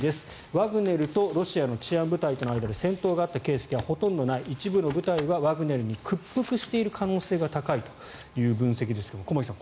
ワグネルとロシアの治安部隊との間で戦闘があった形跡はほとんどない一部の部隊はワグネルに屈服している可能性が高いという分析ですが駒木さん